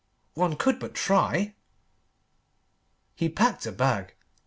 One could but try!" He packed a bag.